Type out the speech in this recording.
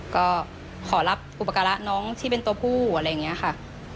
ก็ขอรับอุปการะน้องที่เป็นตัวผู้อะไรอย่างนี้ค่ะ